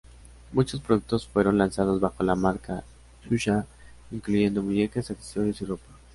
Muchos productos fueron lanzados bajo la marca Xuxa, incluyendo muñecas, accesorios y ropa.